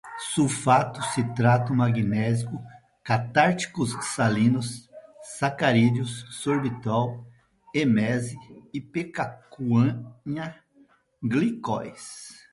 sulfato, citrato, magnésio, catárticos salinos, sacarídeos, sorbitol, emese, ipecacuanha, glicóis